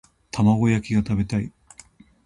玉子焼きが食べたい